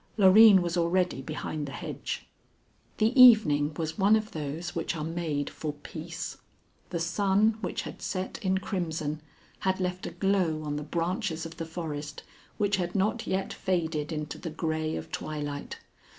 Loreen was already behind the hedge. The evening was one of those which are made for peace. The sun, which had set in crimson, had left a glow on the branches of the forest which had not yet faded into the gray of twilight.